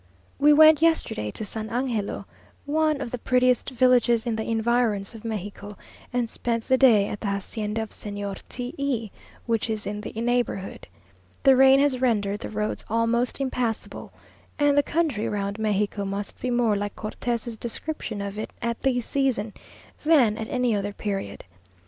We went yesterday to San Angelo, one of the prettiest villages in the environs of Mexico, and spent the day at the hacienda of Señor T e, which is in the neighbourhood. The rain has rendered the roads almost impassible, and the country round Mexico must be more like Cortes's description of it at this season, than at any other period.